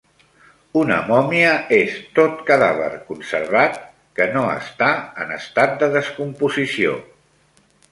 Una mòmia és tot cadàver conservat que no està en estat de descomposició.